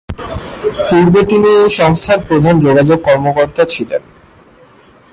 পূর্বে তিনি এই সংস্থার প্রধান যোগাযোগ কর্মকর্তা ছিলেন।